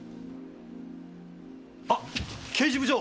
あっ刑事部長！